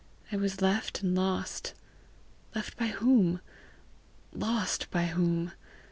I was left and lost left by whom? lost by whom?